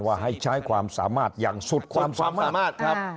ให้ใช้ความสามารถอย่างสุดความสามารถครับ